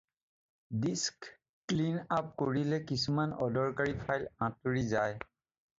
Disk clean up কৰিলে কিছুমান অদৰকাৰী ফাইল আঁতৰি যাব।